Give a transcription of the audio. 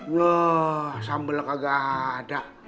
wah sambelnya kagak ada